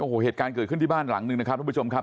โอ้โหเหตุการณ์เกิดขึ้นที่บ้านหลังหนึ่งนะครับทุกผู้ชมครับ